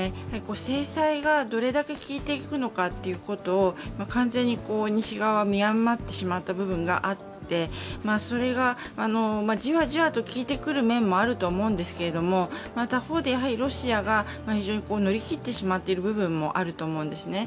制裁がどれだけ効いていくのかということを完全に西側は見誤ってしまった部分があってそれがじわじわと効いてくる面もあると思うんですけれども他方でロシアが乗り切ってしまっている部分もあると思うんです。